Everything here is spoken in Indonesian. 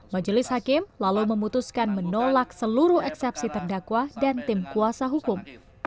majelis hakim lalu memutuskan menolak seluruh eksepsi terdakwa dan tim kuasa hukum